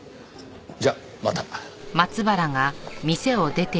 じゃあまた。